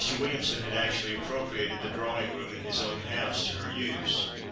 Williamson had actually appropriated the drawing room in his own house to her use.